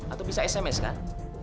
atau bisa sms kan